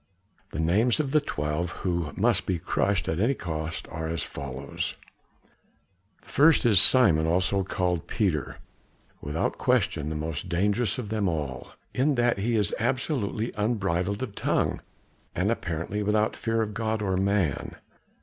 The names of the twelve who must be crushed at any cost are as follows: "The first is Simon, also called Peter without question the most dangerous of them all, in that he is absolutely unbridled of tongue and apparently without fear of God or man.